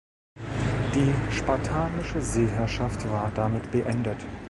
Die spartanische Seeherrschaft war damit beendet.